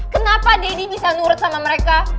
kenapa deddy bisa nurut sama mereka